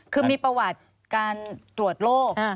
คือมีประวัติการตรวจโรค